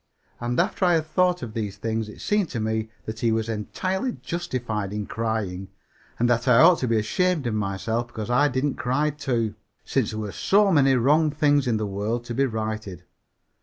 And after I had thought of these things it seemed to me that he was entirely justified in crying, and that I ought to be ashamed of myself because I didn't cry, too, since there were so many wrong things in the world to be righted.